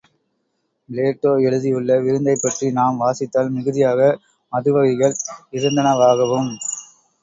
Plato எழுதியுள்ள விருந்தைப்பற்றி நாம் வாசித்தால் மிகுதியாக மது வகைகள் இருந்தனவாகவும்.